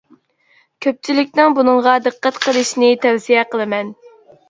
كۆپچىلىكنىڭ بۇنىڭغا دىققەت قىلىشىنى تەۋسىيە قىلىمەن.